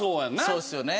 そうですよね？